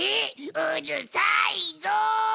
うるさいぞ！